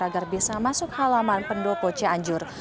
agar bisa masuk halaman pendopo cianjur